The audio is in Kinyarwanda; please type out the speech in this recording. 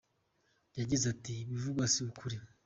Yagize ati “ Ibivugwa si ukuri.